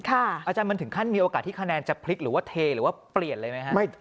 อาจารย์มันถึงขั้นมีโอกาสที่คะแนนจะพลิกหรือว่าเทหรือว่าเปลี่ยนเลยไหมครับ